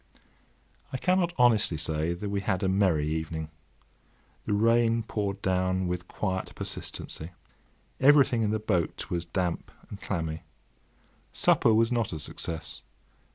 I cannot honestly say that we had a merry evening. The rain poured down with quiet persistency. Everything in the boat was damp and clammy. Supper was not a success.